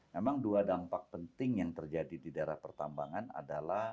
memang dua dampak penting yang terjadi di daerah pertambangan adalah